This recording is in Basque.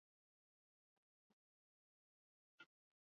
Gipuzkoarrak sailkatzeko atean geratu dira.